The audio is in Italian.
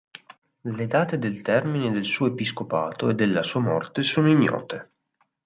Le date del termine del suo episcopato e della sua morte sono ignote.